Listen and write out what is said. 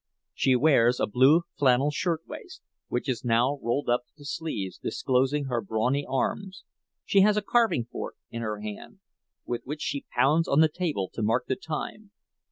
She wears a blue flannel shirt waist, which is now rolled up at the sleeves, disclosing her brawny arms; she has a carving fork in her hand, with which she pounds on the table to mark the time.